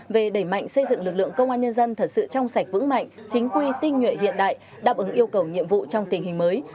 về đẩy mạnh xây dựng lực lượng công an nhân dân thật sự trong sạch vững mạnh chính quy tinh nhuệ hiện đại đáp ứng yêu cầu nhiệm vụ trong tình hình mới